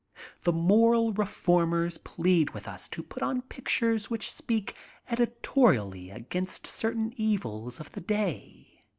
The moral reformers plead with us to put on pictures which speak editorially against certain evils of the day.